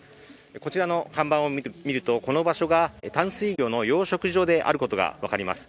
こちらの看板を見るとこの場所が淡水魚の養殖場であることが分かります。